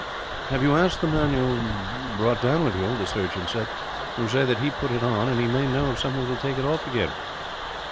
"Have you asked the man you brought down with you?" the surgeon said. "You say that he put it on, and he may know of something that will take it off again."